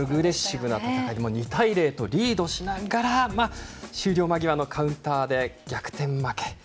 ここも後半まで２対０とリードしながら終了間際のカウンターで逆転負け。